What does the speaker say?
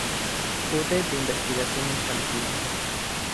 Jude de Investigación Infantil.